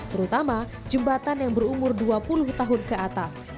terutama jembatan yang berumur dua puluh tahun ke atas